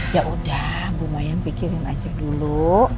ya udah bu mayang pikirin aja dulu